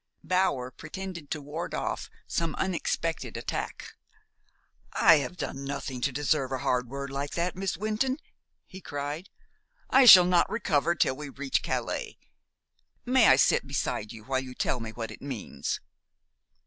Bower pretended to ward off some unexpected attack. "I have done nothing to deserve a hard word like that, Miss Wynton," he cried. "I shall not recover till we reach Calais. May I sit beside you while you tell me what it means?"